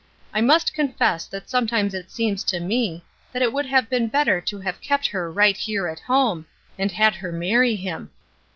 I must confess that sometimes it seems to me that it would have been better to have kept her right here at home, and had her marry him.